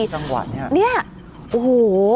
ที่ตั้งหวัดนี่เนี่ยโอ้โฮ